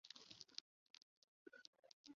葱叶兰为兰科葱叶兰属下的一个种。